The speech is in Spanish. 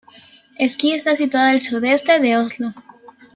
Ski está situado al sudeste de Oslo.